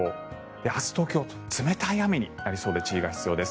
明日、東京冷たい雨になりそうで注意が必要です。